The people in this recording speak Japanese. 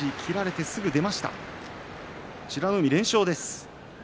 美ノ海、連勝です。